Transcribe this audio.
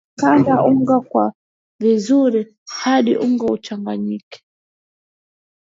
kanda unga wako vizuri hadi unga uchanganyike